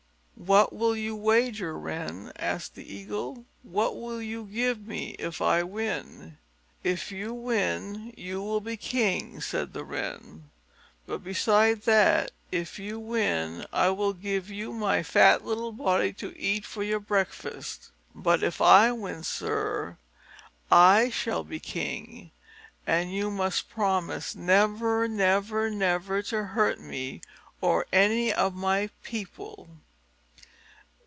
"What will you wager, Wren?" asked the Eagle. "What will you give me if I win?" "If you win you will be king," said the Wren. "But beside that, if you win I will give you my fat little body to eat for your breakfast. But if I win, Sir, I shall be king, and you must promise never, never, never, to hurt me or any of my people."